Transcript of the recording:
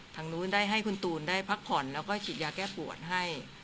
ทางนู้นได้ให้คุณตูนได้พักผ่อนแล้วก็ฉีดยาแก้ปวดให้